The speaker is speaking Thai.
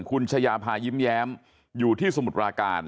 คุณชายาพายิ้มแย้มอยู่ที่สมุทรปราการ